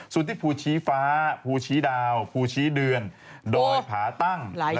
ส่วนที่ภูชีฟ้าภูชีดาวภูชี้เดือนดอยผาตั้ง